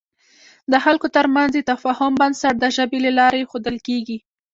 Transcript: د خلکو تر منځ د تفاهم بنسټ د ژبې له لارې اېښودل کېږي.